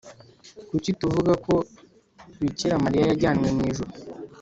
kuki tuvuga ko bikira mariya yajyanywe mu ijuru